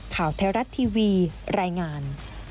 ข่าวไทยรัฐทีวีรายงาน